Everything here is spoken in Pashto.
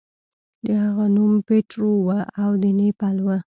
د هغه نوم پیټرو و او د نیپل و.